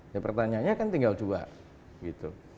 ya pertanyaannya kan tinggal jual